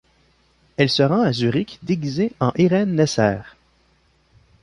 Elle se rend à Zurich déguisée en Irene Nesser.